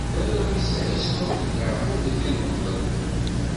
D arraw-is Ɛisu akked Yeɛqub i t-imeḍlen.